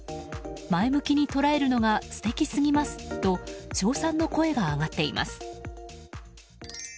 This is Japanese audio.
前向きに捉えるのが素敵すぎますと称賛の声が上がっています。